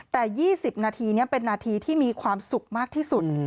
แต่๒๐นาทีนี้เป็นนาทีที่มีความสุขมากที่สุด